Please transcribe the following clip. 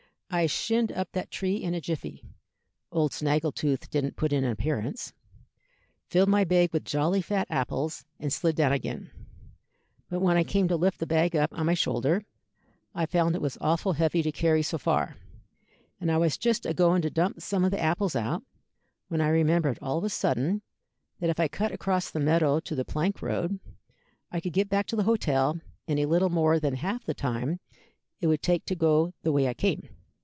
I shinned up that tree in a jiffy (old Snaggletooth didn't put in an appearance), filled my bag with jolly fat apples, and slid down again. But when I came to lift the bag up on my shoulder, I found it was awful heavy to carry so far, and I was just agoing to dump some of the apples out, when I remembered all of a sudden that if I cut across the meadow to the plank road, I could get back to the hotel in a little more than half the time it would take to go the way I came.